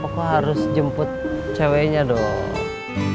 aku harus jemput ceweknya dong